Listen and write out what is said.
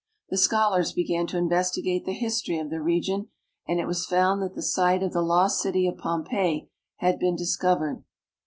The scholars began to investigate the history of the region, and it was found that the site of the lost city of Pompeii had been discovered.